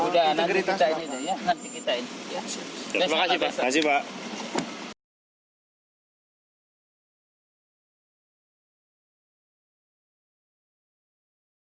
udah nanti kita ini